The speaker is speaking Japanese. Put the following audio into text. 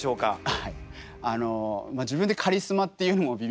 はい。